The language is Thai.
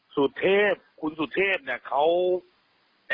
สุเทพคุณสุเทพเนี่ยเขา